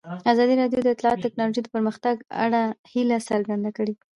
ازادي راډیو د اطلاعاتی تکنالوژي د پرمختګ په اړه هیله څرګنده کړې.